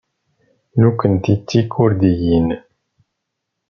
Nukenti d Tikurdiyin.